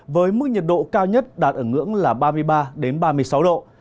với mức nhiệt độ cao nhất đạt ở ngưỡng là ba mươi ba ba mươi sáu độ